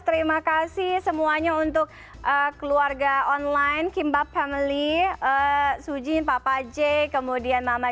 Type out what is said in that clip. terima kasih semuanya untuk keluarga online kimbab family suji papa j kemudian mama